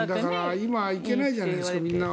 今行けないじゃないですか。